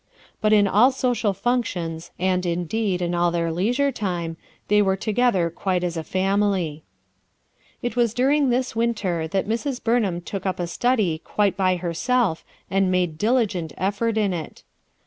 But in ah g^jal functions, and indeed, in all their leisure time, they were together quite as a family It was during this winter that Mrs. Burnham took up a study quite by herself and made diligent effort in it.